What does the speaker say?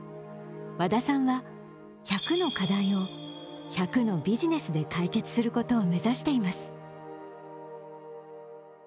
和田さんは１００の課題を１００のビジネスで解決することを目指しています。